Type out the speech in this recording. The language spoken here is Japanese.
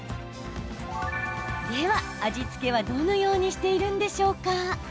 では、味付けはどのようにしているんでしょうか。